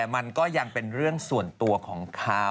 มันก็ยังเป็นเรื่องส่วนตัวของเขา